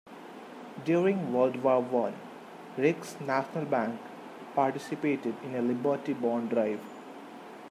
During World War One, Riggs National Bank participated in a Liberty bond drive.